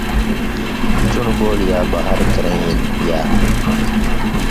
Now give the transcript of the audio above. چُون٘ڑ بول یا بَہر کَرَیں ہِن یا